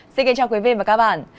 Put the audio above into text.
xin kính chào quý vị và các bạn